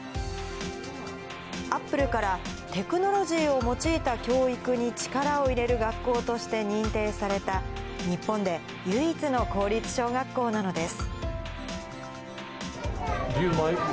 アップルからテクノロジーを用いた教育に力を入れる学校として認定された、日本で唯一の公立小学校なのです。